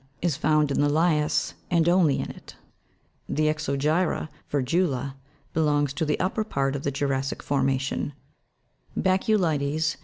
55), is found in the has, and only in it : the ex'ogy'ra vir'gula (fig. 109, p. 65), belongs to the upper part of ,the jura'ssic formation ; baculites (fig.